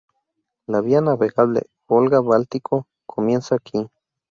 La vía navegable Volga-Báltico comienza aquí.